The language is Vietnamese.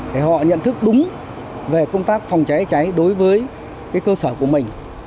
để họ nhận thức đúng về công tác phòng cháy cháy đối với cơ sở của mình